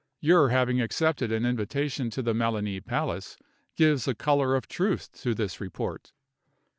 Your having accepted an invitation to the Melani Palace gives a color of truth to this report.